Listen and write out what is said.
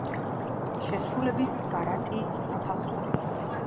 შესრულების გარანტიის საფასური.